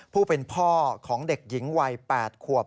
ผู้เป็นพ่อของเด็กหญิงวัย๘ขวบ